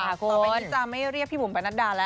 ต่อไปลีจาไม่เรียกพี่บุ๋มปรนเดชน์ดอกแล้ว